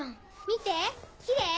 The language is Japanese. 見てきれい？